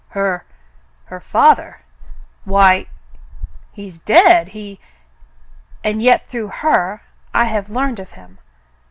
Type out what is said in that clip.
"Her — her father ? Why — he's dead — he —" "And yet through her I have learned of him.